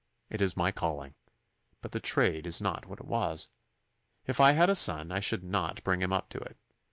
It is my calling. But the trade is not what it was. If I had a son I should not bring him up to it.